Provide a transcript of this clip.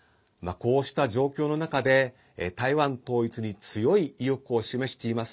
こうした状況の中で、台湾統一に強い意欲を示しています